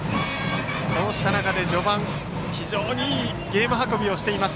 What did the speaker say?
そうした中で序盤非常にいいゲーム運びをしています